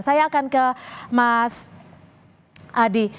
saya akan ke mas adi